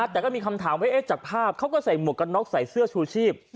แต่ก็มีคำถามว่าจากภาพเขาก็ใส่หมวกกันน็อกใส่เสื้อชูชีพ